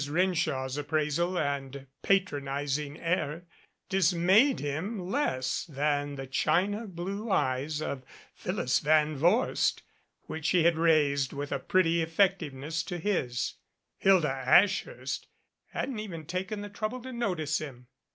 Renshaw's appraisal and patronizing air dismayed him less than the china blue eyes of Phyllis Van Vorst which she raised with a pretty effectiveness to his ; Hilda Ashhurst hadn't even taken the trouble to notice him.